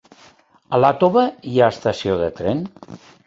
A Iàtova hi ha estació de tren?